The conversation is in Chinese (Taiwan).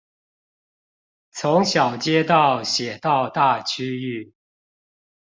從小街道寫到大區域